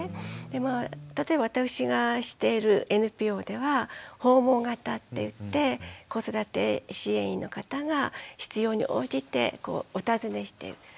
でまあ例えば私がしているＮＰＯでは訪問型っていって子育て支援員の方が必要に応じてお訪ねしてる。